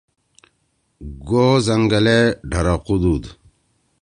گو زنگلے ڈھرَقُودُود۔